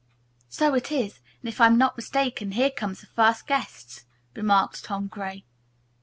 "So it is, and if I'm not mistaken here come the first guests," remarked Tom Gray.